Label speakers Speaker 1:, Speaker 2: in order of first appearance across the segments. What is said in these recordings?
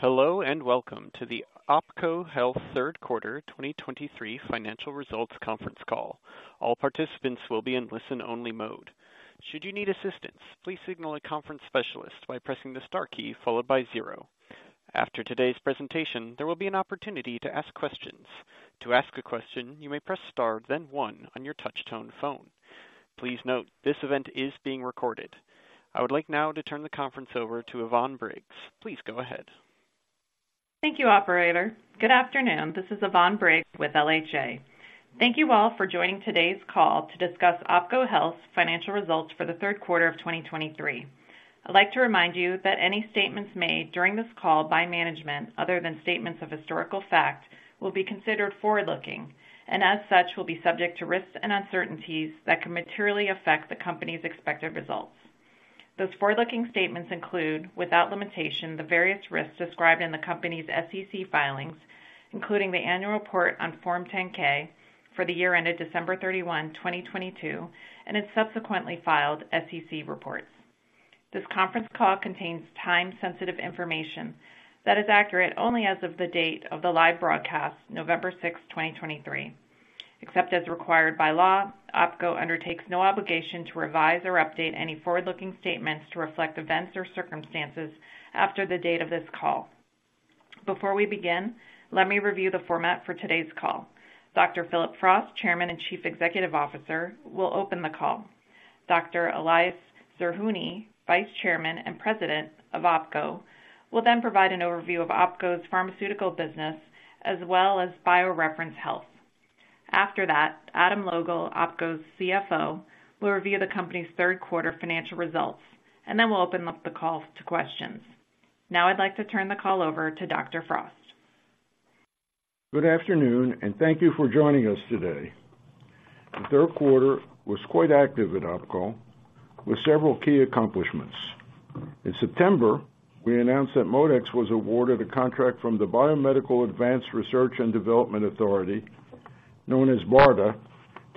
Speaker 1: Hello, and welcome to the OPKO Health Third Quarter 2023 Financial Results Conference Call. All participants will be in listen-only mode. Should you need assistance, please signal a conference specialist by pressing the star key followed by zero. After today's presentation, there will be an opportunity to ask questions. To ask a question, you may press star, then one on your touchtone phone. Please note, this event is being recorded. I would like now to turn the conference over to Yvonne Briggs. Please go ahead.
Speaker 2: Thank you, operator. Good afternoon. This is Yvonne Briggs with LHA. Thank you all for joining today's call to discuss OPKO Health's financial results for the third quarter of 2023. I'd like to remind you that any statements made during this call by management, other than statements of historical fact, will be considered forward-looking, and as such, will be subject to risks and uncertainties that can materially affect the company's expected results. Those forward-looking statements include, without limitation, the various risks described in the company's SEC filings, including the annual report on Form 10-K for the year ended December 31, 2022, and its subsequently filed SEC reports. This conference call contains time-sensitive information that is accurate only as of the date of the live broadcast, November 6, 2023. Except as required by law, OPKO undertakes no obligation to revise or update any forward-looking statements to reflect events or circumstances after the date of this call. Before we begin, let me review the format for today's call. Dr. Phillip Frost, Chairman and Chief Executive Officer, will open the call. Dr. Elias Zerhouni, Vice Chairman and President of OPKO, will then provide an overview of OPKO's pharmaceutical business as well as BioReference Health. After that, Adam Logal, OPKO's CFO, will review the company's third quarter financial results, and then we'll open up the call to questions. Now I'd like to turn the call over to Dr. Frost.
Speaker 3: Good afternoon, and thank you for joining us today. The third quarter was quite active at OPKO, with several key accomplishments. In September, we announced that ModeX was awarded a contract from the Biomedical Advanced Research and Development Authority, known as BARDA,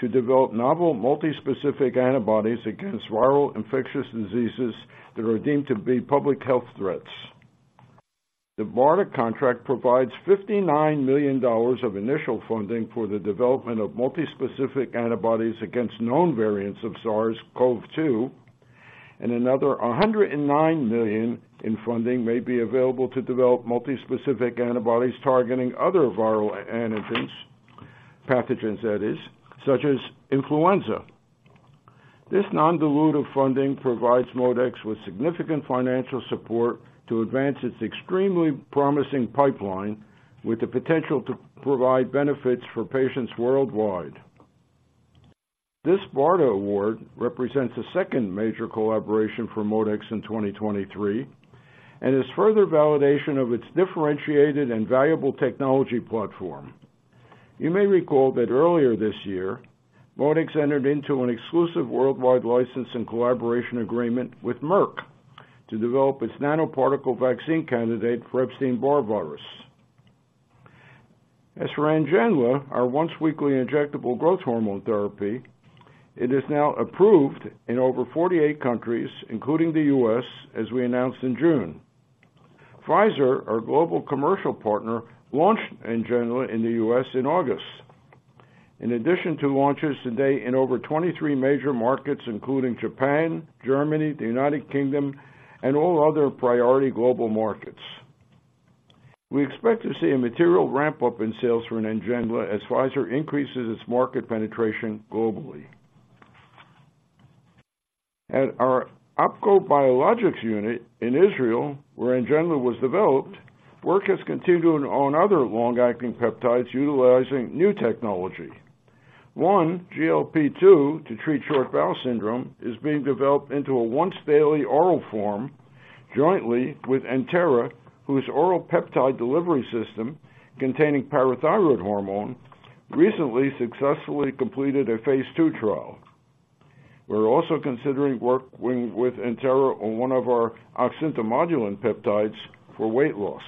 Speaker 3: to develop novel multispecific antibodies against viral infectious diseases that are deemed to be public health threats. The BARDA contract provides $59 million of initial funding for the development of multispecific antibodies against known variants of SARS-CoV-2, and another $109 million in funding may be available to develop multispecific antibodies targeting other viral antigens, pathogens that is, such as influenza. This non-dilutive funding provides ModeX with significant financial support to advance its extremely promising pipeline, with the potential to provide benefits for patients worldwide. This BARDA award represents the second major collaboration for ModeX in 2023 and is further validation of its differentiated and valuable technology platform. You may recall that earlier this year, ModeX entered into an exclusive worldwide license and collaboration agreement with Merck to develop its nanoparticle vaccine candidate for Epstein-Barr virus. As for NGENLA, our once weekly injectable growth hormone therapy, it is now approved in over 48 countries, including the U.S., as we announced in June. Pfizer, our global commercial partner, launched NGENLA in the U.S. in August. In addition to launches today in over 23 major markets, including Japan, Germany, the United Kingdom, and all other priority global markets. We expect to see a material ramp-up in sales for NGENLA as Pfizer increases its market penetration globally. At our OPKO Biologics unit in Israel, where NGENLA was developed, work is continuing on other long-acting peptides utilizing new technology. One, GLP-2, to treat short bowel syndrome, is being developed into a once-daily oral form jointly with Entera, whose oral peptide delivery system, containing parathyroid hormone, recently successfully completed a phase II trial. We're also considering working with Entera on one of our oxyntomodulin peptides for weight loss.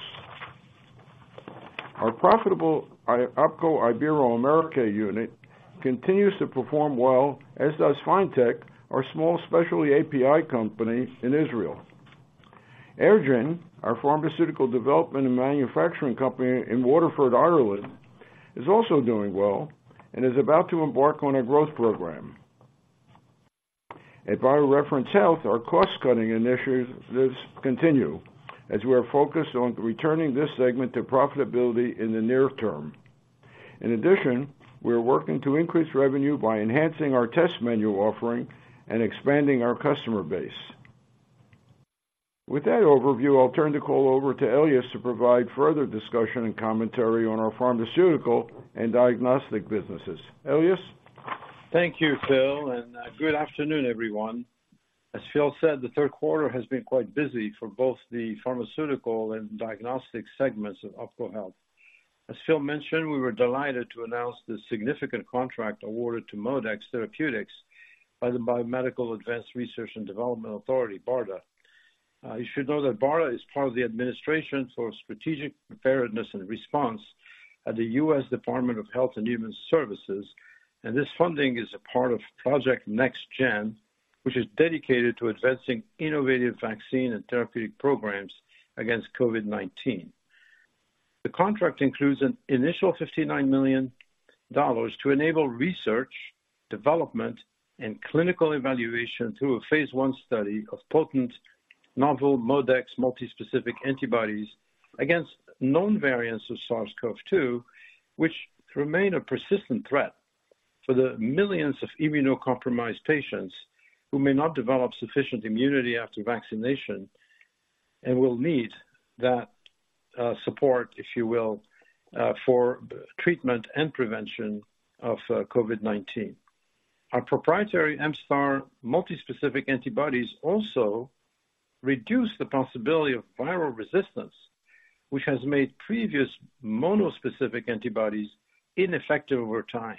Speaker 3: Our profitable OPKO Iberoamerica unit continues to perform well, as does FineTech, our small specialty API company in Israel. EirGen, our pharmaceutical development and manufacturing company in Waterford, Ireland, is also doing well and is about to embark on a growth program. At BioReference Health, our cost-cutting initiatives continue as we are focused on returning this segment to profitability in the near term. In addition, we are working to increase revenue by enhancing our test menu offering and expanding our customer base. With that overview, I'll turn the call over to Elias to provide further discussion and commentary on our pharmaceutical and diagnostic businesses. Elias?
Speaker 4: Thank you, Phil, and good afternoon, everyone. As Phil said, the third quarter has been quite busy for both the pharmaceutical and diagnostic segments of OPKO Health. As Phil mentioned, we were delighted to announce the significant contract awarded to ModeX Therapeutics by the Biomedical Advanced Research and Development Authority, BARDA. You should know that BARDA is part of the Administration for Strategic Preparedness and Response at the U.S. Department of Health and Human Services, and this funding is a part of Project NextGen, which is dedicated to advancing innovative vaccine and therapeutic programs against COVID-19. The contract includes an initial $59 million to enable research, development, and clinical evaluation through a phase I study of potent novel ModeX multispecific antibodies against known variants of SARS-CoV-2, which remain a persistent threat for the millions of immunocompromised patients who may not develop sufficient immunity after vaccination and will need that support, if you will, for treatment and prevention of COVID-19. Our proprietary MSTAR multispecific antibodies also reduce the possibility of viral resistance, which has made previous monospecific antibodies ineffective over time.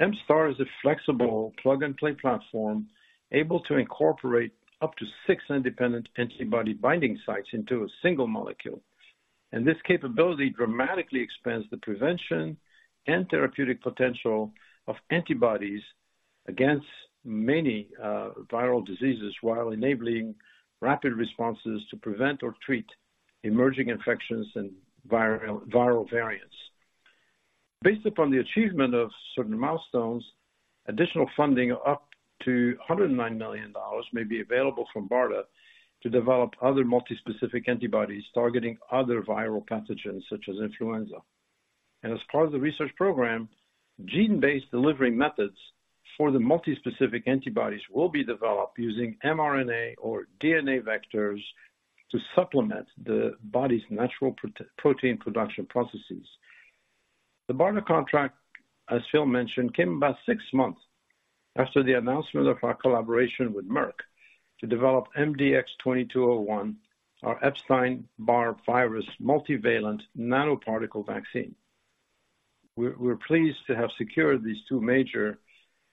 Speaker 4: MSTAR is a flexible plug-and-play platform, able to incorporate up to six independent antibody binding sites into a single molecule. This capability dramatically expands the prevention and therapeutic potential of antibodies against many viral diseases, while enabling rapid responses to prevent or treat emerging infections and viral variants. Based upon the achievement of certain milestones, additional funding up to $109 million may be available from BARDA to develop other multispecific antibodies targeting other viral pathogens such as influenza. As part of the research program, gene-based delivery methods for the multispecific antibodies will be developed using mRNA or DNA vectors to supplement the body's natural protein production processes. The BARDA contract, as Phil mentioned, came about six months after the announcement of our collaboration with Merck to develop MDX2201, our Epstein-Barr virus multivalent nanoparticle vaccine. We're pleased to have secured these two major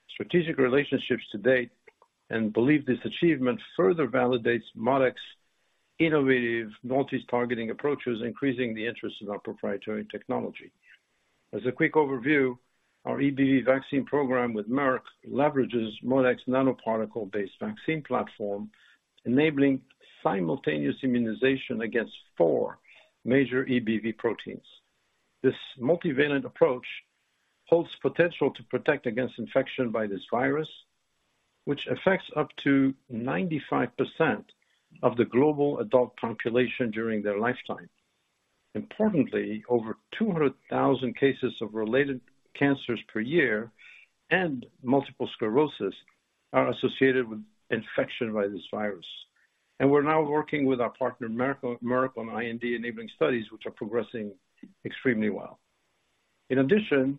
Speaker 4: strategic relationships to date and believe this achievement further validates ModeX's innovative multispecific targeting approaches, increasing the interest in our proprietary technology. As a quick overview, our EBV vaccine program with Merck leverages ModeX nanoparticle-based vaccine platform, enabling simultaneous immunization against four major EBV proteins. This multivalent approach holds potential to protect against infection by this virus, which affects up to 95% of the global adult population during their lifetime. Importantly, over 200,000 cases of related cancers per year and multiple sclerosis are associated with infection by this virus. We're now working with our partner, Merck, on IND-enabling studies, which are progressing extremely well. In addition,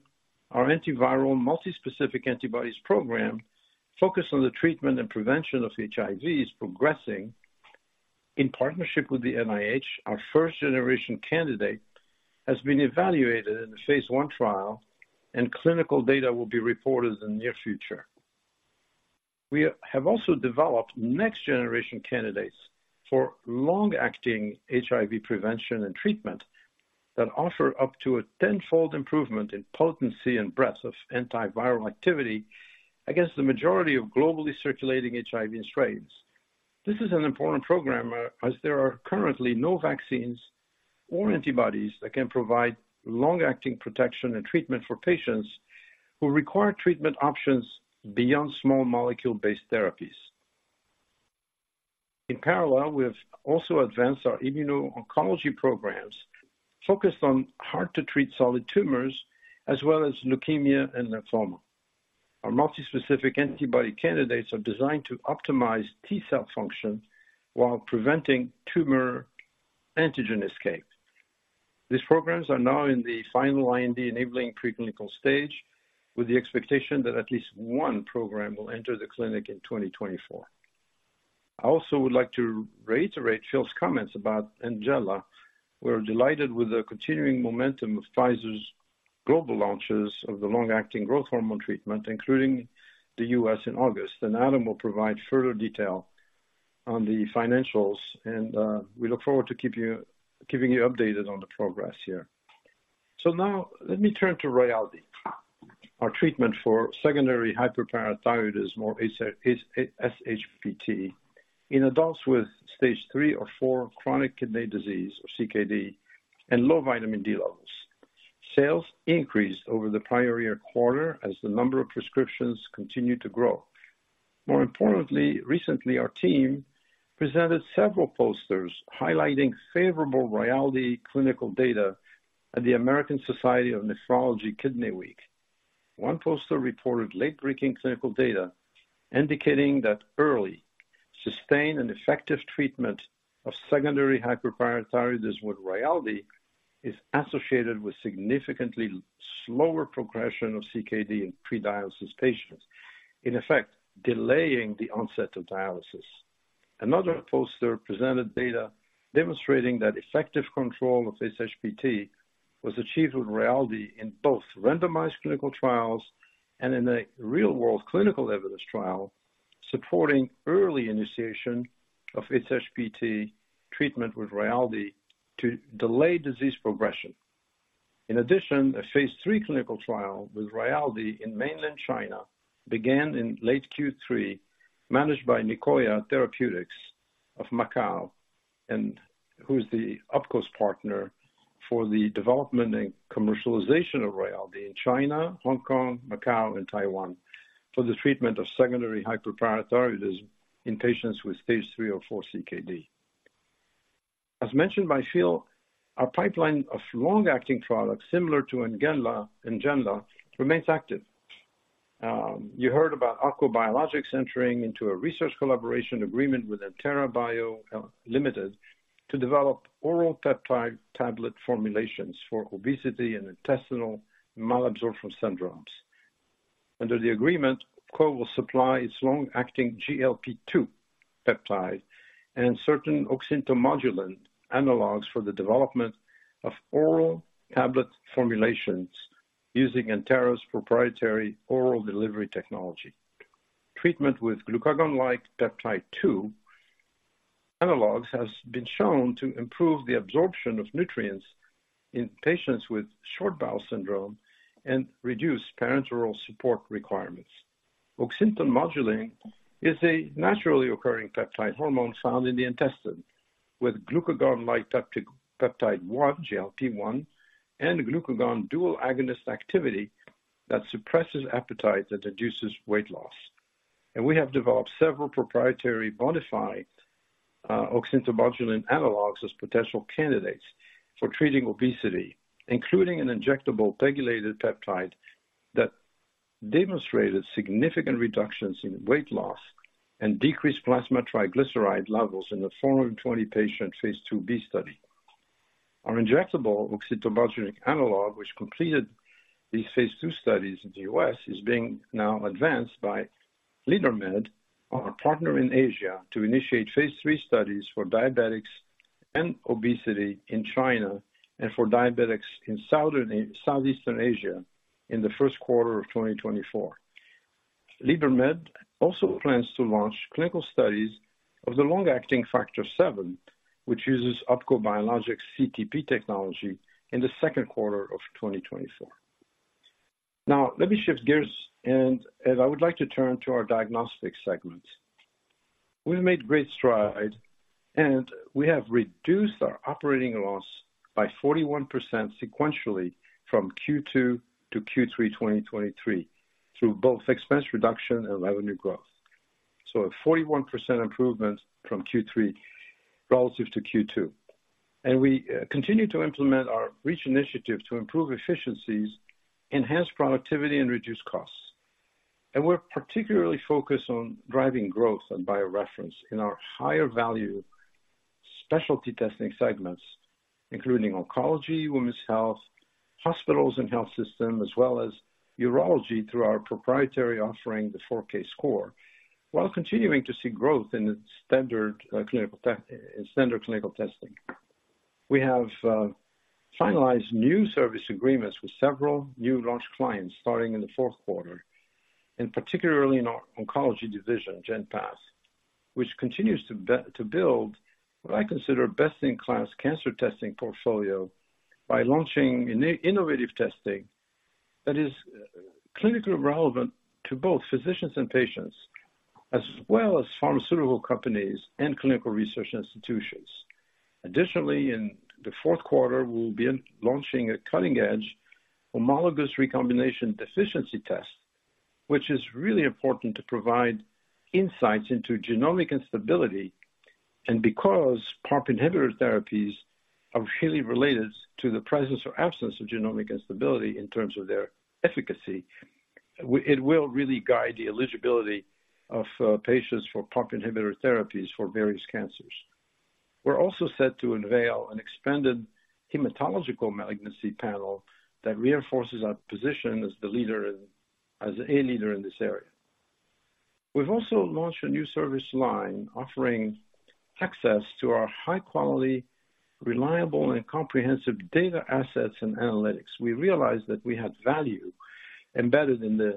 Speaker 4: our antiviral multispecific antibodies program, focused on the treatment and prevention of HIV, is progressing. In partnership with the NIH, our first-generation candidate has been evaluated in a phase I trial, and clinical data will be reported in the near future. We have also developed next-generation candidates for long-acting HIV prevention and treatment that offer up to a tenfold improvement in potency and breadth of antiviral activity against the majority of globally circulating HIV strains. This is an important program, as there are currently no vaccines or antibodies that can provide long-acting protection and treatment for patients who require treatment options beyond small molecule-based therapies. In parallel, we have also advanced our immuno-oncology programs, focused on hard-to-treat solid tumors as well as leukemia and lymphoma. Our multispecific antibody candidates are designed to optimize T cell function while preventing tumor antigen escape. These programs are now in the final IND-enabling preclinical stage, with the expectation that at least one program will enter the clinic in 2024. I also would like to reiterate Phil's comments about NGENLA. We're delighted with the continuing momentum of Pfizer's global launches of the long-acting growth hormone treatment, including the U.S. in August, and Adam will provide further detail on the financials and, we look forward to keeping you updated on the progress here. So now let me turn to RAYALDEE, our treatment for secondary hyperparathyroidism, or SHPT, in adults with Stage 3 or 4 chronic kidney disease, or CKD, and low vitamin D levels. Sales increased over the prior year quarter as the number of prescriptions continued to grow. More importantly, recently, our team presented several posters highlighting favorable RAYALDEE clinical data at the American Society of Nephrology Kidney Week. One poster reported late-breaking clinical data indicating that early, sustained, and effective treatment of secondary hyperparathyroidism with RAYALDEE is associated with significantly slower progression of CKD in pre-dialysis patients, in effect, delaying the onset of dialysis. Another poster presented data demonstrating that effective control of SHPT was achieved with RAYALDEE in both randomized clinical trials and in a real-world clinical evidence trial, supporting early initiation of SHPT treatment with RAYALDEE to delay disease progression. In addition, a phase III clinical trial with RAYALDEE in mainland China began in late Q3, managed by Nicoya Therapeutics of Macau, and who is the OPKO's partner for the development and commercialization of RAYALDEE in China, Hong Kong, Macau, and Taiwan, for the treatment of secondary hyperparathyroidism in patients with Stage 3 or 4 CKD. As mentioned by Phil, our pipeline of long-acting products similar to NGENLA, remains active. You heard about OPKO Biologics entering into a research collaboration agreement with Entera Bio Ltd to develop oral peptide tablet formulations for obesity and intestinal malabsorption syndromes. Under the agreement, OPKO will supply its long-acting GLP-2 peptide and certain oxyntomodulin analogs for the development of oral tablet formulations using Entera's proprietary oral delivery technology. Treatment with glucagon-like peptide-2 analogs has been shown to improve the absorption of nutrients in patients with short bowel syndrome and reduce parenteral support requirements. Oxyntomodulin is a naturally occurring peptide hormone found in the intestine, with glucagon-like peptide-1, GLP-1, and glucagon dual agonist activity that suppresses appetite and reduces weight loss. We have developed several proprietary modified oxyntomodulin analogs as potential candidates for treating obesity, including an injectable PEGylated peptide that demonstrated significant reductions in weight loss and decreased plasma triglyceride levels in the 420 patient phase IIb study. Our injectable oxyntomodulin analog, which completed these phase II studies in the U.S., is being now advanced by Leadermed, our partner in Asia, to initiate phase III studies for diabetics and obesity in China and for diabetics in Southeastern Asia in the first quarter of 2024. Leadermed also plans to launch clinical studies of the long-acting Factor VII, which uses OPKO Biologics' CTP technology, in the second quarter of 2024. Now, let me shift gears, and I would like to turn to our diagnostic segment. We've made great strides, and we have reduced our operating loss by 41% sequentially from Q2 to Q3 2023, through both expense reduction and revenue growth. So a 41% improvement from Q3 relative to Q2. And we continue to implement our REACH initiative to improve efficiencies, enhance productivity, and reduce costs. And we're particularly focused on driving growth in BioReference in our higher-value specialty testing segments, including oncology, women's health, hospitals and health system, as well as urology, through our proprietary offering, the 4Kscore, while continuing to see growth in the standard clinical testing. We have finalized new service agreements with several new launch clients starting in the fourth quarter, and particularly in our oncology division, GenPath, which continues to build what I consider a best-in-class cancer testing portfolio by launching innovative testing that is clinically relevant to both physicians and patients, as well as pharmaceutical companies and clinical research institutions. Additionally, in the fourth quarter, we'll be launching a cutting-edge homologous recombination deficiency test, which is really important to provide insights into genomic instability. And because PARP inhibitor therapies are highly related to the presence or absence of genomic instability in terms of their efficacy, it will really guide the eligibility of patients for PARP inhibitor therapies for various cancers. We're also set to unveil an expanded hematological malignancy panel that reinforces our position as the leader in... as a leader in this area. We've also launched a new service line, offering access to our high-quality, reliable, and comprehensive data assets and analytics. We realized that we had value embedded in the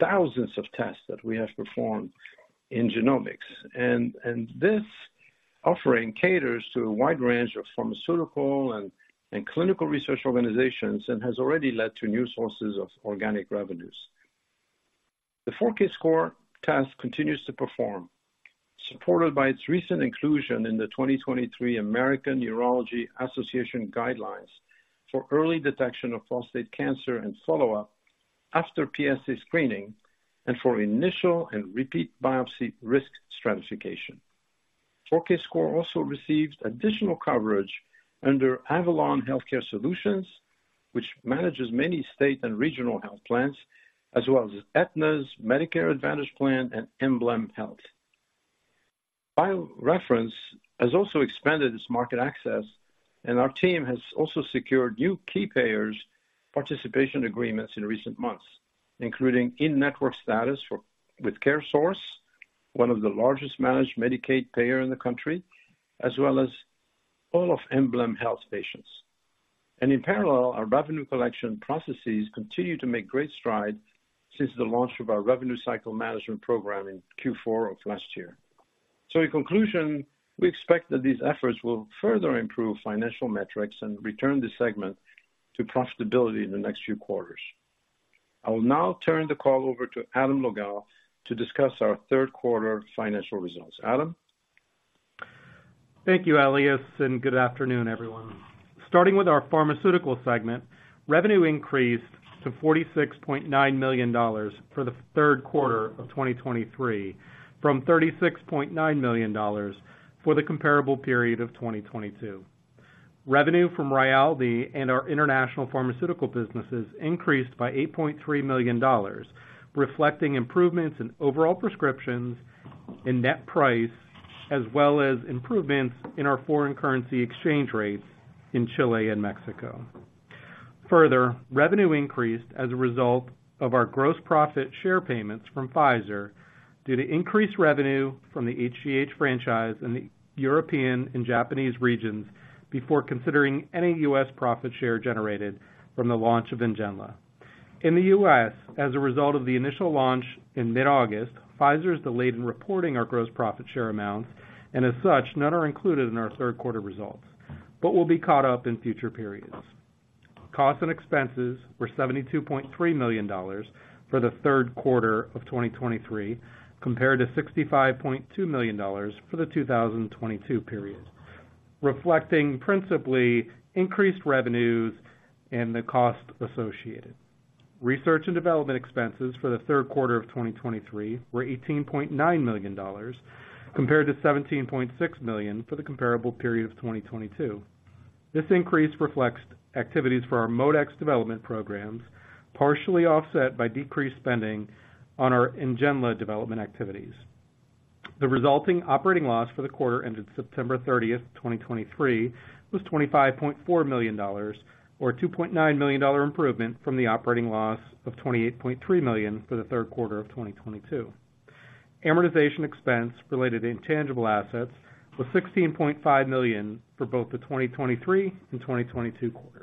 Speaker 4: thousands of tests that we have performed in genomics. And this offering caters to a wide range of pharmaceutical and clinical research organizations and has already led to new sources of organic revenues. The 4Kscore test continues to perform, supported by its recent inclusion in the 2023 American Urological Association guidelines for early detection of prostate cancer and follow-up after PSA screening, and for initial and repeat biopsy risk stratification. 4Kscore also received additional coverage under Avalon Healthcare Solutions, which manages many state and regional health plans, as well as Aetna's Medicare Advantage Plan and EmblemHealth. BioReference has also expanded its market access, and our team has also secured new key payers' participation agreements in recent months, including in-network status with CareSource, one of the largest managed Medicaid payer in the country, as well as all of EmblemHealth patients. In parallel, our revenue collection processes continue to make great strides since the launch of our revenue cycle management program in Q4 of last year. So in conclusion, we expect that these efforts will further improve financial metrics and return the segment to profitability in the next few quarters. I will now turn the call over to Adam Logal to discuss our third quarter financial results. Adam?
Speaker 5: Thank you, Elias, and good afternoon, everyone. Starting with our pharmaceutical segment, revenue increased to $46.9 million for the third quarter of 2023, from $36.9 million for the comparable period of 2022. Revenue from RAYALDEE and our international pharmaceutical businesses increased by $8.3 million, reflecting improvements in overall prescriptions and net price, as well as improvements in our foreign currency exchange rates in Chile and Mexico. Further, revenue increased as a result of our gross profit share payments from Pfizer, due to increased revenue from the HGH franchise in the European and Japanese regions, before considering any U.S. profit share generated from the launch of NGENLA. In the U.S., as a result of the initial launch in mid-August, Pfizer delayed in reporting our gross profit share amounts, and as such, none are included in our third quarter results, but will be caught up in future periods. Costs and expenses were $72.3 million for the third quarter of 2023, compared to $65.2 million for the 2022 period, reflecting principally increased revenues and the costs associated. Research and development expenses for the third quarter of 2023 were $18.9 million, compared to $17.6 million for the comparable period of 2022. This increase reflects activities for our ModeX development programs, partially offset by decreased spending on our NGENLA development activities. The resulting operating loss for the quarter ended September 30, 2023, was $25.4 million, or $2.9 million improvement from the operating loss of $28.3 million for the third quarter of 2022. Amortization expense related to intangible assets was $16.5 million for both the 2023 and 2022 quarters.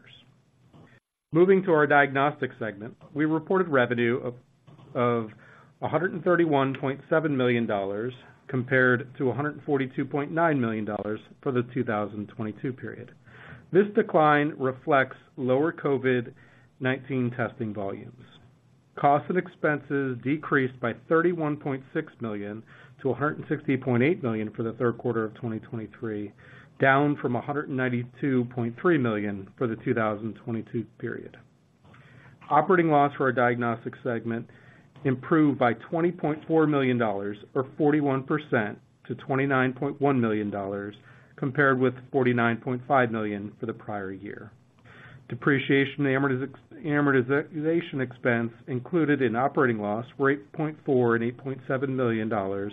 Speaker 5: Moving to our diagnostic segment, we reported revenue of $131.7 million compared to $142.9 million for the 2022 period. This decline reflects lower COVID-19 testing volumes. Cost and expenses decreased by $31.6 million to $160.8 million for the third quarter of 2023, down from $192.3 million for the 2022 period. Operating loss for our diagnostic segment improved by $20.4 million or 41% to $29.1 million, compared with $49.5 million for the prior year. Depreciation and amortization expense included in operating loss were $8.4 million and $8.7 million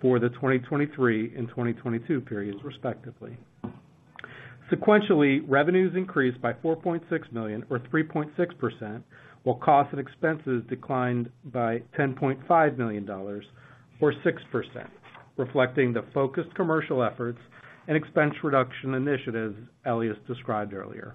Speaker 5: for the 2023 and 2022 periods, respectively. Sequentially, revenues increased by $4.6 million or 3.6%, while costs and expenses declined by $10.5 million, or 6%, reflecting the focused commercial efforts and expense reduction initiatives Elias described earlier.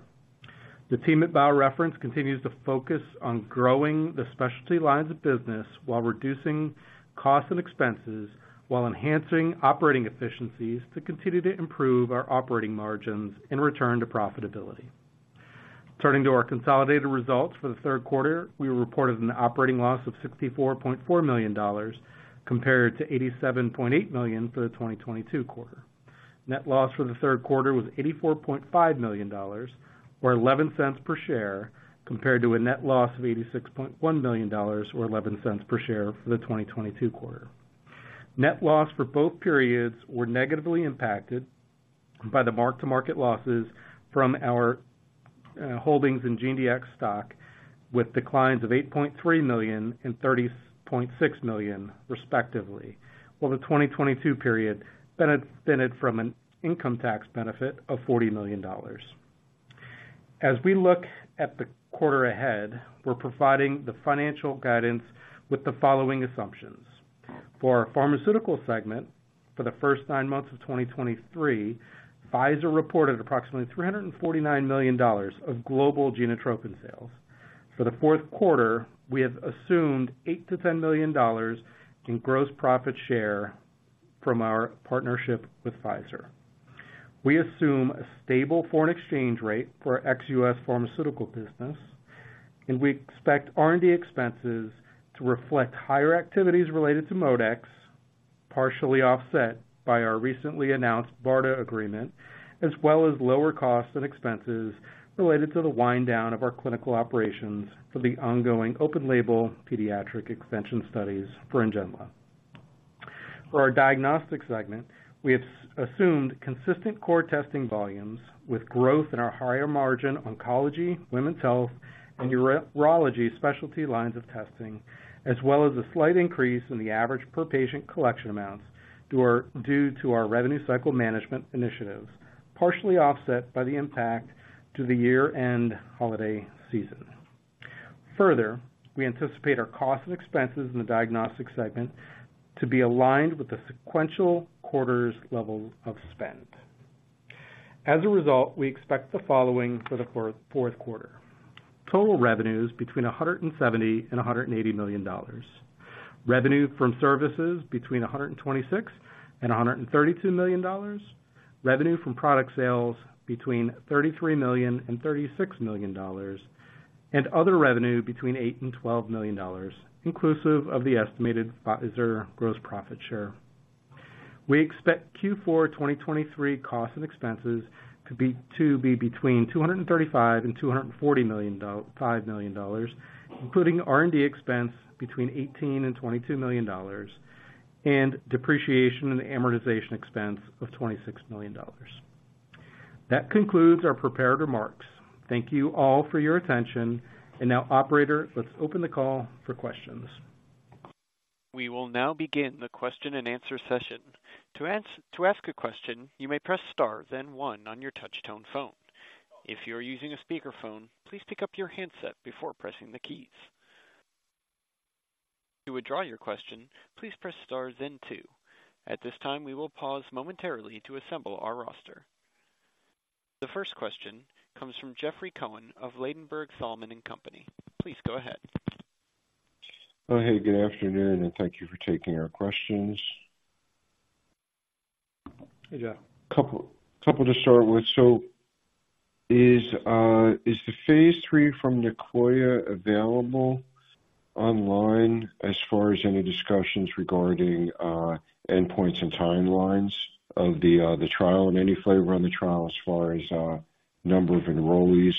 Speaker 5: The team at BioReference continues to focus on growing the specialty lines of business while reducing costs and expenses, while enhancing operating efficiencies to continue to improve our operating margins in return to profitability. Turning to our consolidated results for the third quarter, we reported an operating loss of $64.4 million compared to $87.8 million for the 2022 quarter. Net loss for the third quarter was $84.5 million, or $0.11 per share, compared to a net loss of $86.1 million or $0.11 per share for the 2022 quarter. Net loss for both periods were negatively impacted by the mark-to-market losses from our holdings in GeneDx stock, with declines of $8.3 million and $30.6 million, respectively, while the 2022 period benefited from an income tax benefit of $40 million. As we look at the quarter ahead, we're providing the financial guidance with the following assumptions. For our pharmaceutical segment, for the first nine months of 2023, Pfizer reported approximately $349 million of global GENOTROPIN sales. For the fourth quarter, we have assumed $8 million-$10 million in gross profit share from our partnership with Pfizer. We assume a stable foreign exchange rate for ex-U.S. pharmaceutical business, and we expect R&D expenses to reflect higher activities related to ModeX, partially offset by our recently announced BARDA agreement, as well as lower costs and expenses related to the wind down of our clinical operations for the ongoing open label pediatric extension studies for NGENLA. For our diagnostic segment, we have assumed consistent core testing volumes with growth in our higher margin oncology, women's health, and urology specialty lines of testing, as well as a slight increase in the average per-patient collection amounts due to our revenue cycle management initiatives, partially offset by the impact to the year-end holiday season. Further, we anticipate our costs and expenses in the diagnostic segment to be aligned with the sequential quarters level of spend. As a result, we expect the following for the fourth quarter: total revenues between $170 million and $180 million. Revenue from services between $126 million and $132 million. Revenue from product sales between $33 million and $36 million, and other revenue between $8 million and $12 million, inclusive of the estimated Pfizer gross profit share. We expect Q4 2023 costs and expenses to be between $235 million and $245 million, including R&D expense between $18 million and $22 million, and depreciation and amortization expense of $26 million. That concludes our prepared remarks. Thank you all for your attention. And now, operator, let's open the call for questions.
Speaker 1: We will now begin the question-and-answer session. To ask a question, you may press star, then one on your touch tone phone. If you're using a speakerphone, please pick up your handset before pressing the keys. To withdraw your question, please press star then two. At this time, we will pause momentarily to assemble our roster. The first question comes from Jeffrey Cohen of Ladenburg Thalmann & Co. Please go ahead.
Speaker 6: Oh, hey, good afternoon, and thank you for taking our questions. Yeah. A couple to start with. So, is the phase III from Nicoya available online as far as any discussions regarding endpoints and timelines of the trial? And any flavor on the trial as far as number of enrollees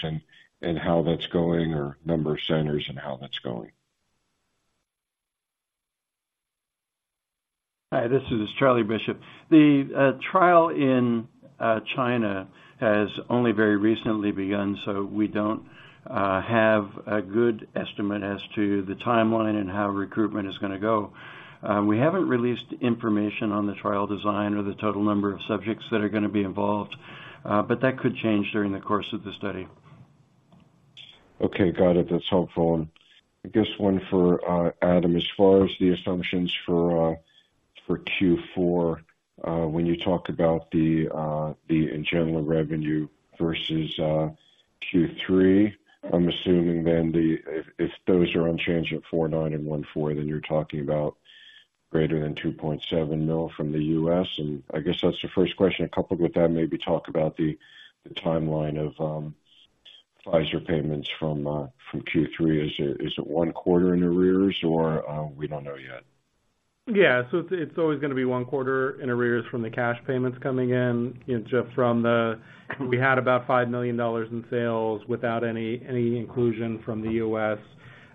Speaker 6: and how that's going, or number of centers and how that's going?
Speaker 7: Hi, this is Charlie Bishop. The trial in China has only very recently begun, so we don't have a good estimate as to the timeline and how recruitment is gonna go. We haven't released information on the trial design or the total number of subjects that are gonna be involved, but that could change during the course of the study.
Speaker 6: Okay. Got it. That's helpful. And I guess one for Adam, as far as the assumptions for for Q4, when you talk about the NGENLA revenue versus Q3, I'm assuming then the... if if those are unchanged at 49 and 14, then you're talking about greater than $2.7 million from the U.S. And I guess that's the first question. Coupled with that, maybe talk about the the timeline of Pfizer payments from from Q3. Is it is it one quarter in arrears or we don't know yet?
Speaker 5: Yeah, so it's always gonna be one quarter in arrears from the cash payments coming in. You know, just from the -- we had about $5 million in sales without any inclusion from the U.S.,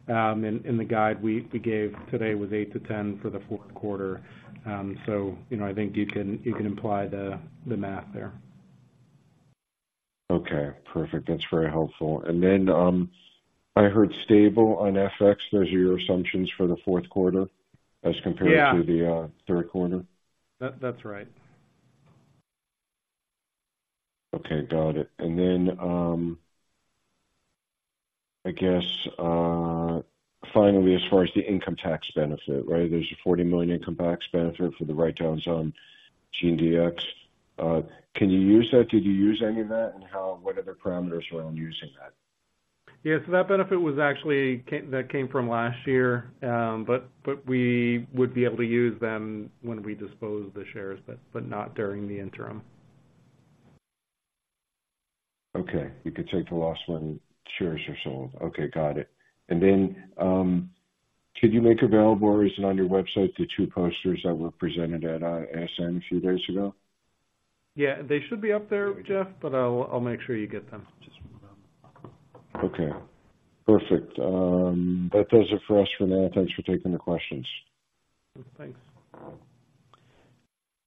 Speaker 5: and the guide we gave today was $8 million-$10 million for the fourth quarter. So, you know, I think you can imply the math there.
Speaker 6: Okay, perfect. That's very helpful. And then, I heard stable on FX. Those are your assumptions for the fourth quarter as compared to the third quarter?
Speaker 5: Yeah. That, that's right.
Speaker 6: Okay, got it. And then, I guess, finally, as far as the income tax benefit, right? There's a $40 million income tax benefit for the writedowns on GeneDx. Can you use that? Did you use any of that? And how—what are the parameters around using that?
Speaker 5: Yeah, so that benefit was actually that came from last year. But we would be able to use them when we dispose the shares, but not during the interim.
Speaker 6: Okay. You could take the loss when shares are sold. Okay, got it. And then, could you make available, or is it on your website, the two posters that were presented at ASN a few days ago?
Speaker 7: Yeah, they should be up there, Jeff, but I'll, I'll make sure you get them.
Speaker 6: Okay, perfect. That does it for us for now. Thanks for taking the questions.
Speaker 5: Thanks.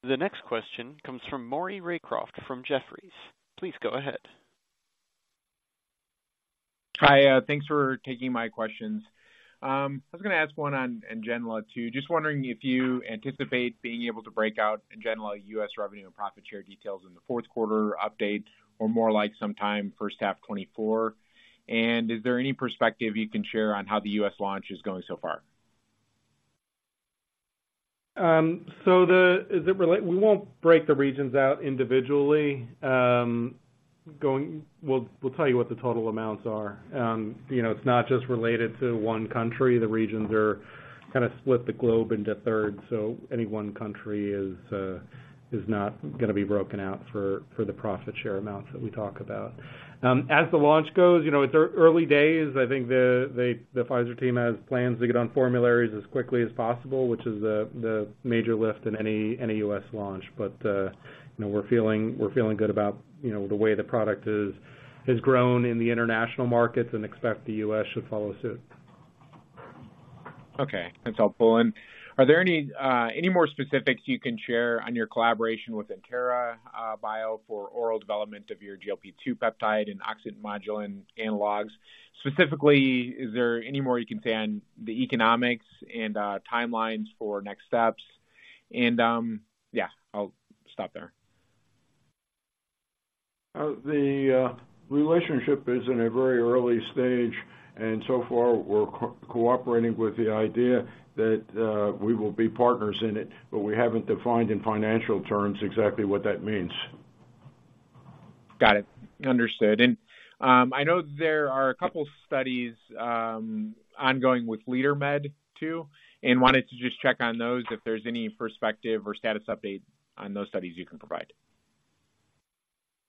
Speaker 1: The next question comes from Maury Raycroft from Jefferies. Please go ahead.
Speaker 8: Hi, thanks for taking my questions. I was gonna ask one on NGENLA, too. Just wondering if you anticipate being able to break out NGENLA U.S. revenue and profit share details in the fourth quarter update, or more like sometime first half 2024. Is there any perspective you can share on how the U.S. launch is going so far?
Speaker 5: We won't break the regions out individually. We'll tell you what the total amounts are. You know, it's not just related to one country. The regions are kind of split the globe into 1/3, so any one country is not gonna be broken out for the profit share amounts that we talk about. As the launch goes, you know, it's early days. I think they, the Pfizer team has plans to get on formularies as quickly as possible, which is the major lift in any U.S. launch. But you know, we're feeling good about the way the product has grown in the international markets and expect the U.S. should follow suit.
Speaker 8: Okay, that's helpful. And are there any more specifics you can share on your collaboration with Entera Bio for oral development of your GLP-2 peptide and oxyntomodulin analogs? Specifically, is there any more you can say on the economics and timelines for next steps? And, yeah, I'll stop there.
Speaker 3: The relationship is in a very early stage, and so far, we're cooperating with the idea that we will be partners in it, but we haven't defined in financial terms exactly what that means.
Speaker 8: Got it. Understood. And, I know there are a couple studies, ongoing with Leadermed too, and wanted to just check on those if there's any perspective or status update on those studies you can provide.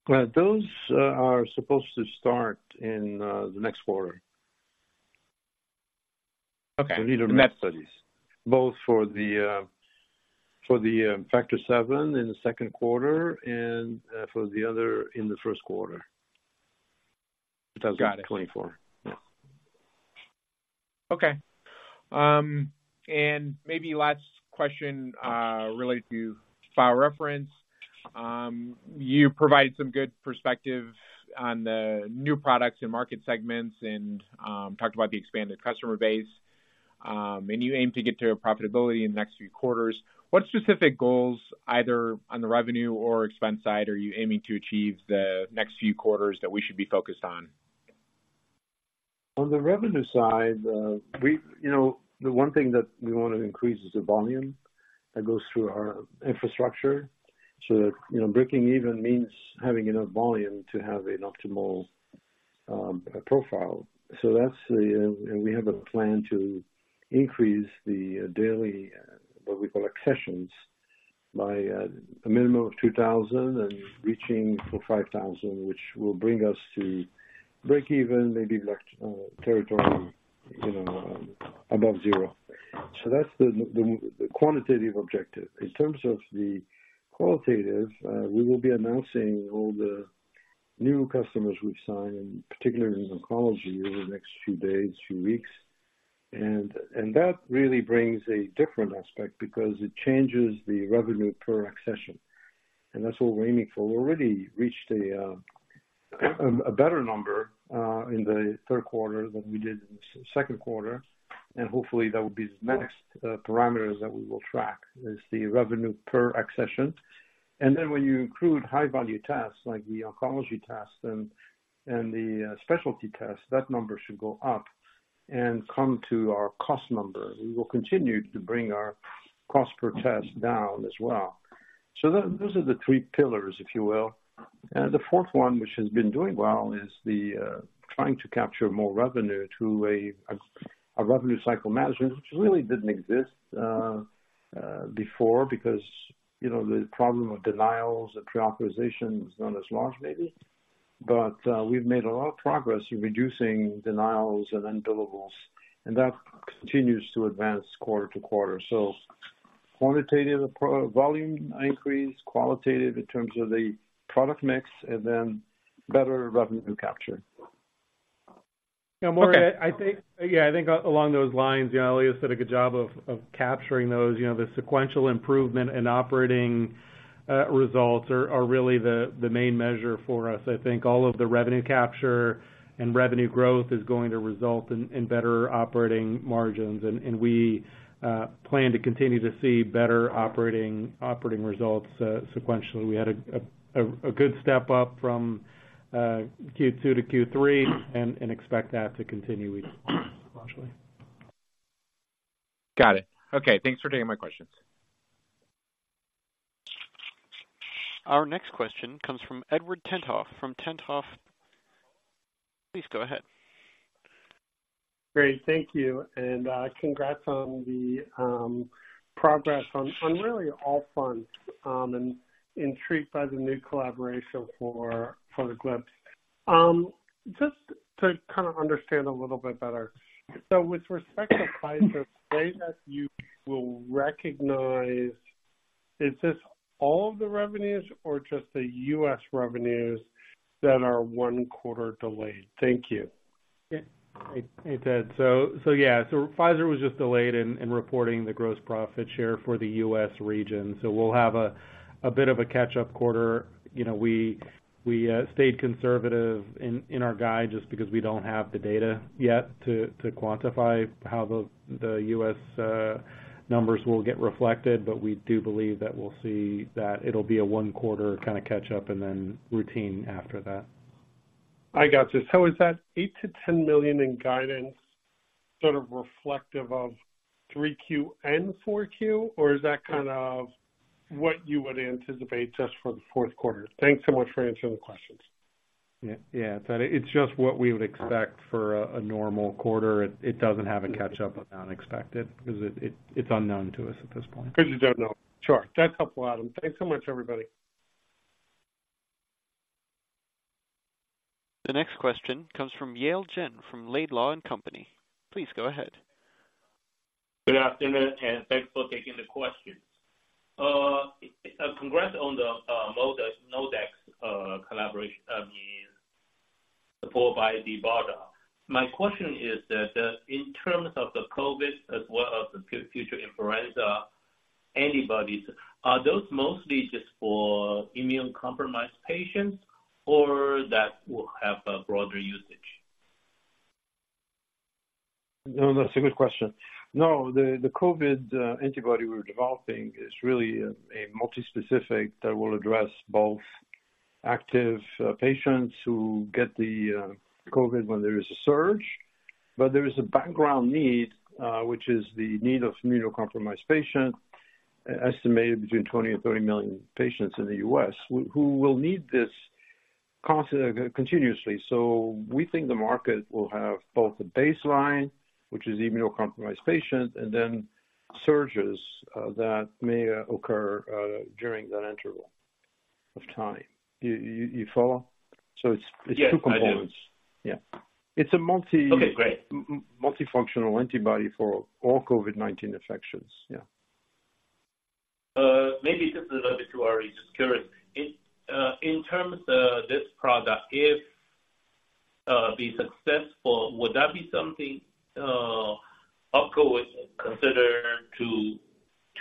Speaker 4: Well, those are supposed to start in the next quarter.
Speaker 8: Okay.
Speaker 4: The Leadermed studies, both for the Factor VII in the second quarter and for the other in the first quarter, 2024. Yeah.
Speaker 8: Got it. Okay. And maybe last question, related to BioReference. You provided some good perspective on the new products and market segments and, talked about the expanded customer base. And you aim to get to a profitability in the next few quarters. What specific goals, either on the revenue or expense side, are you aiming to achieve the next few quarters that we should be focused on?
Speaker 4: On the revenue side, we—you know, the one thing that we want to increase is the volume that goes through our infrastructure, so that, you know, breaking even means having enough volume to have an optimal profile. So that's the— And we have a plan to increase the daily what we call accessions, by a minimum of 2000 and reaching for 5000, which will bring us to break even, maybe like territory, you know, above zero. So that's the quantitative objective. In terms of the qualitative, we will be announcing all the new customers we've signed, and particularly in oncology, over the next few days, few weeks. And that really brings a different aspect because it changes the revenue per accession, and that's what we're aiming for. We already reached a better number in the third quarter than we did in the second quarter, and hopefully that will be the next parameters that we will track, is the revenue per accession. And then when you include high-value tasks like the oncology tasks and the specialty tasks, that number should go up and come to our cost number. We will continue to bring our cost per test down as well. So those are the three pillars, if you will. And the fourth one, which has been doing well, is trying to capture more revenue through revenue cycle management, which really didn't exist before, because, you know, the problem of denials and pre-authorizations is not as large, maybe. But, we've made a lot of progress in reducing denials and unbillables, and that continues to advance quarter-to-quarter. So quantitative volume increase, qualitative in terms of the product mix, and then better revenue capture.
Speaker 5: Yeah, Maury, I think, yeah, I think along those lines, you know, Elias did a good job of capturing those. You know, the sequential improvement in operating results are really the main measure for us. I think all of the revenue capture and revenue growth is going to result in better operating margins, and we plan to continue to see better operating results sequentially. We had a good step up from Q2 to Q3, and expect that to continue gradually.
Speaker 8: Got it. Okay, thanks for taking my questions.
Speaker 1: Our next question comes from Edward Tenthoff from [Piper Sandler]. Please go ahead.
Speaker 9: Great, thank you, and congrats on the progress on really all fronts, and intrigued by the new collaboration for the GLP. Just to kind of understand a little bit better, so with respect to Pfizer, say that you will recognize, is this all of the revenues or just the U.S. revenues that are one quarter delayed? Thank you.
Speaker 5: Yeah. Hey, Ted. So, yeah, so Pfizer was just delayed in reporting the gross profit share for the U.S. region. So we'll have a bit of a catch-up quarter. You know, we stayed conservative in our guide just because we don't have the data yet to quantify how the U.S. numbers will get reflected, but we do believe that we'll see that it'll be a one quarter kind of catch up and then routine after that.
Speaker 9: I got you. So is that $8 million-$10 million in guidance sort of reflective of Q3 and Q4, or is that kind of what you would anticipate just for the fourth quarter? Thanks so much for answering the questions.
Speaker 5: Yeah, yeah. So it's just what we would expect for a normal quarter. It doesn't have a catch-up of unexpected because it's unknown to us at this point.
Speaker 9: Because you don't know. Sure. That's helpful, Adam. Thanks so much, everybody.
Speaker 1: The next question comes from Yale Jen, from Laidlaw & Company. Please go ahead.
Speaker 10: Good afternoon, and thanks for taking the questions. Congrats on the ModeX collaboration, I mean, supported by BARDA. My question is that in terms of the COVID as well as the future influenza antibodies, are those mostly just for immunocompromised patients or that will have a broader usage?
Speaker 4: No, that's a good question. No, the COVID antibody we're developing is really a multi-specific that will address both active patients who get the COVID when there is a surge. But there is a background need, which is the need of immunocompromised patients, estimated between 20 million and 30 million patients in the U.S., who will need this continuously. So we think the market will have both a baseline, which is the immunocompromised patients, and then surges that may occur during that interval of time. You follow? So it's two components. It's a multifunctional antibody for all COVID-19 infections. Yeah.
Speaker 10: Maybe just a little bit to early, just curious. In terms of this product, if be successful, would that be something OPKO would consider to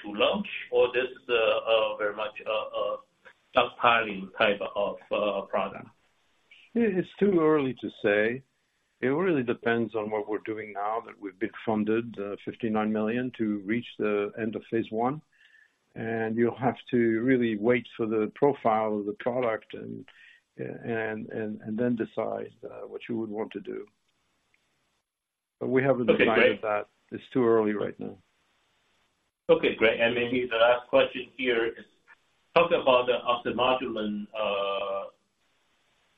Speaker 10: launch, or this is a very much stockpiling type of product?
Speaker 4: It's too early to say. It really depends on what we're doing now that we've been funded $59 million to reach the end of phase I. And you'll have to really wait for the profile of the product and then decide what you would want to do. But we haven't decided that. It's too early right now.
Speaker 10: Okay, great. And maybe the last question here is, talk about the oxyntomodulin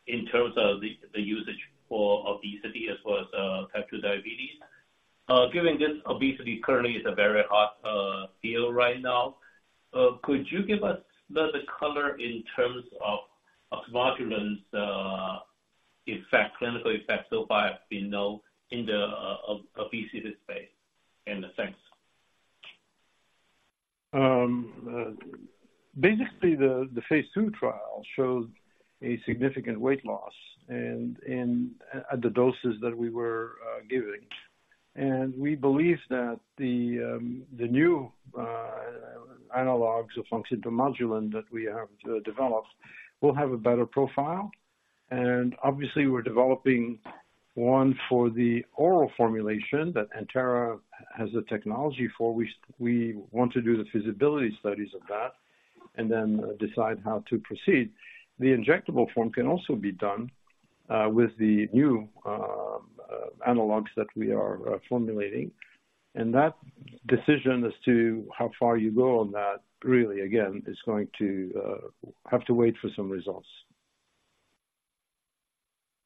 Speaker 10: in terms of the, the usage for obesity as well as, type 2 diabetes. Given this, obesity currently is a very hot field right now. Could you give us a little bit color in terms of, of oxyntomodulin's effect, clinical effect so far been known in the obesity space? And thanks.
Speaker 4: Basically, the phase II trial showed a significant weight loss and in at the doses that we were giving. And we believe that the new analogs of oxyntomodulin that we have developed will have a better profile. And obviously we're developing one for the oral formulation that Entera has the technology for. We want to do the feasibility studies of that and then decide how to proceed. The injectable form can also be done with the new analogs that we are formulating. And that decision as to how far you go on that, really, again, is going to have to wait for some results.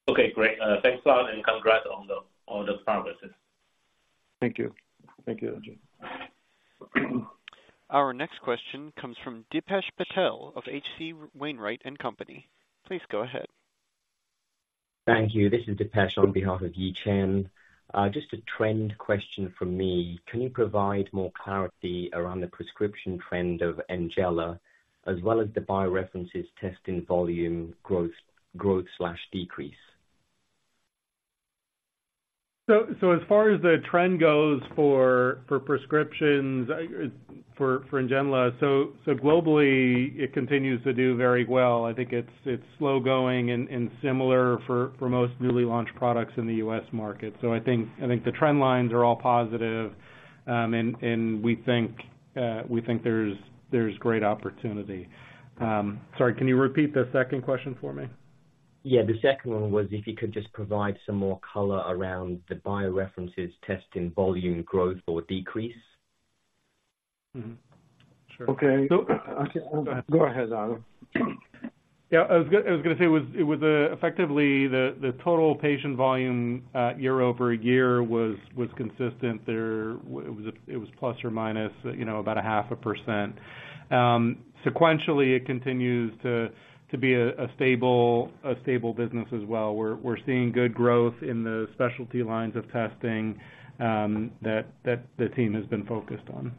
Speaker 10: Okay, great. Thanks a lot and congrats on the progresses.
Speaker 4: Thank you. Thank you, Jen.
Speaker 1: Our next question comes from Dipesh Patel of H.C. Wainwright & Co. Please go ahead.
Speaker 11: Thank you. This is Dipesh on behalf of Yi Chen. Just a trend question from me. Can you provide more clarity around the prescription trend of NGENLA, as well as the BioReference testing volume growth/decrease?
Speaker 5: So as far as the trend goes for prescriptions for NGENLA, so globally, it continues to do very well. I think it's slow-going and similar for most newly launched products in the U.S. market. So I think the trend lines are all positive, and we think there's great opportunity. Sorry, can you repeat the second question for me?
Speaker 11: Yeah, the second one was if you could just provide some more color around the BioReference's testing volume growth or decrease.
Speaker 5: Sure.
Speaker 4: Okay. Go ahead, Adam.
Speaker 5: Yeah, I was gonna say, it was, it was effectively the total patient volume year-over-year was consistent. There it was, it was plus or minus, you know, about 0.5%. Sequentially, it continues to be a stable business as well. We're seeing good growth in the specialty lines of testing that the team has been focused on.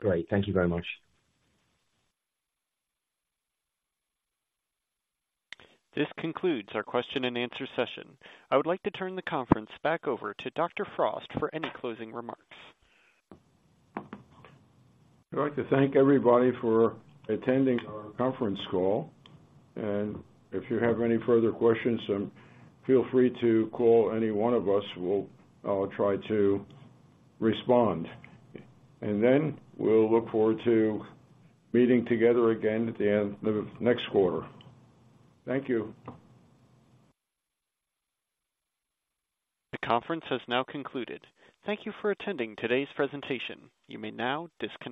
Speaker 11: Great. Thank you very much.
Speaker 1: This concludes our question and answer session. I would like to turn the conference back over to Dr. Frost for any closing remarks.
Speaker 3: I'd like to thank everybody for attending our conference call, and if you have any further questions, feel free to call any one of us. We'll try to respond. And then we'll look forward to meeting together again at the end of next quarter. Thank you.
Speaker 1: The conference has now concluded. Thank you for attending today's presentation. You may now disconnect.